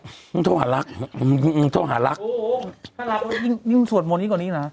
สวดมนตร์อีกกว่านี้นะ